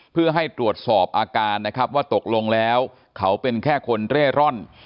เพื่อให้ตรวจสอบอาการนะครับว่าตกลงแล้วเขาเป็นแค่คนเร่ร่อน